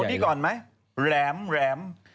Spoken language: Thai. เอาที่ก่อนไหมแหลม